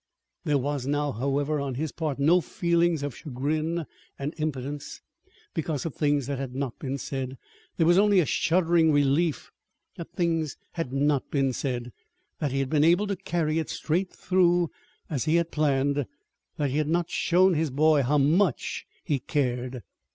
There was now, however, on his part, no feeling of chagrin and impotence because of things that had not been said. There was only a shuddering relief that things had not been said; that he had been able to carry it straight through as he had planned; that he had not shown his boy how much he cared.